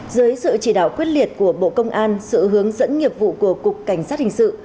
dưới sự chỉ đạo quyết liệt của bộ công an sự hướng dẫn nghiệp vụ của cục cảnh sát hình sự